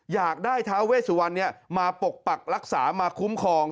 อยากได้ท้าเวสุวรรณมาปกปักรักษามาคุ้มครอง